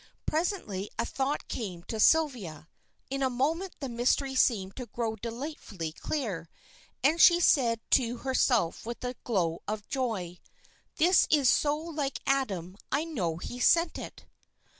Presently a thought came to Sylvia; in a moment the mystery seemed to grow delightfully clear, and she said to herself with a glow of joy, "This is so like Adam I know he sent it."